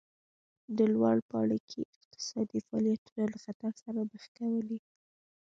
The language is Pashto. د لوړ پاړکي اقتصادي فعالیتونه له خطر سره مخ کولې